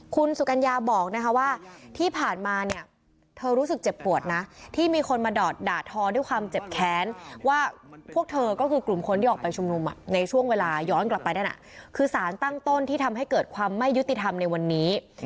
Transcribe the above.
คุณสุกัญญาบอกนะคะว่าที่ผ่านมาเนี่ยเธอรู้สึกเจ็บปวดนะที่มีคนมาดอดด่าทอด้วยความเจ็บแค้นว่าพวกเธอก็คือกลุ่มคนที่ออกไปชุมนุมในช่วงเวลาย้อนกลับไปนั่นน่ะคือสารตั้งต้นที่ทำให้เกิดความไม่ยุติธรรมในวันนี้